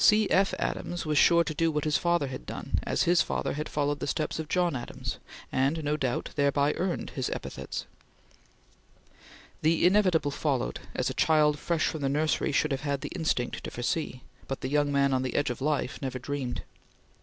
C. F. Adams was sure to do what his father had done, as his father had followed the steps of John Adams, and no doubt thereby earned his epithets. The inevitable followed, as a child fresh from the nursery should have had the instinct to foresee, but the young man on the edge of life never dreamed.